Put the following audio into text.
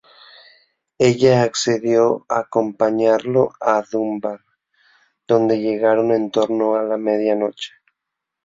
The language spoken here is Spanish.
Ella accedió a acompañarlo a Dunbar, donde llegaron en torno a la media noche.